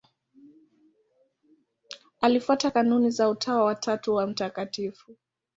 Alifuata kanuni za Utawa wa Tatu wa Mt.